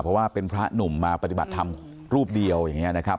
เพราะว่าเป็นพระหนุ่มมาปฏิบัติธรรมรูปเดียวอย่างนี้นะครับ